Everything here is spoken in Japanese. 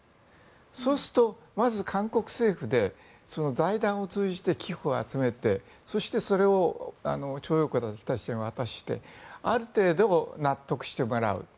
そうすると、まず、韓国政府で財団を通じて寄付を集めて、そしてそれを徴用工の人たちに渡してある程度、納得してもらう。